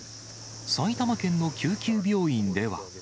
埼玉県の救急病院では。